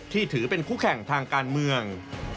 ถือเป็นคู่แข่งทางการเมือง